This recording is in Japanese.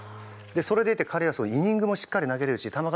それでいて彼はイニングもしっかり投げれるし球数